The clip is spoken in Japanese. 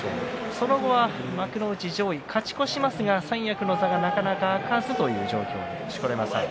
その後は幕内上位勝ち越しますが三役の座がなかなか空かずという状況です。